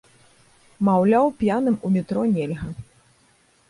Маўляў, п'яным у метро нельга.